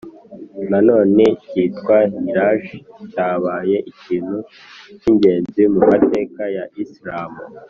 nanone cyitwa hijrah, cyabaye ikintu cy’ingenzi mu mateka ya isilamu,